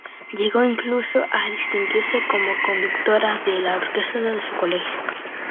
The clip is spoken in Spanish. Llegó incluso, a distinguirse como conductora de la orquesta en su colegio.